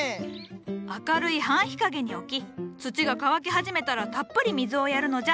明るい半日陰に置き土が乾き始めたらたっぷり水をやるのじゃ。